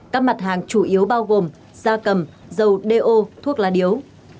các mặt hàng chủ yếu bao gồm da cầm dầu đeo thuốc lá điếu